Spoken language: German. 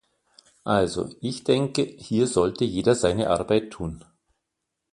Also, ich denke, hier sollte jeder seine Arbeit tun!